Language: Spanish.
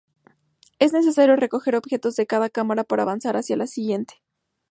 Es necesario recoger objetos en cada cámara para avanzar hacia la siguiente.